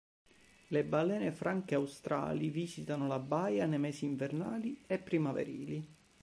Le balene franche australi visitano la baia nei mesi invernali e primaverili.